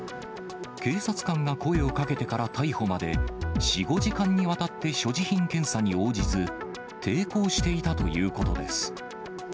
警察官が声をかけてから逮捕まで、４、５時間にわたって所持品検査に応じず、抵抗していたということです。